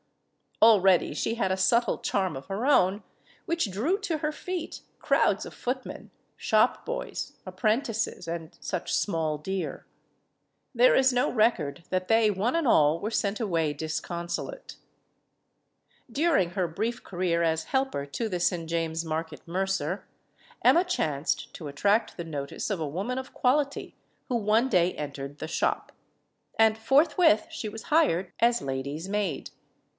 Already she had a subtle charm of her own which drew to her feet crowds of footmen, shopboys, apprentices, and such small deer. There is no record that they one and all were sent away disconsolate. During her brief career as helper to the St. James* Market mercer, Emma chanced to attract the notice of a woman of quality who one day entered the shop. And forthwith she was hired as lady's maid.